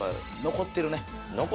残ってるね。